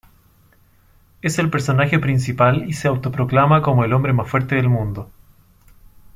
Es el personaje principal y se autoproclama como el hombre más fuerte del mundo.